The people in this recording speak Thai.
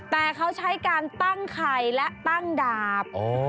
แต่เขาใช้การตั้งไข่และตั้งดาบ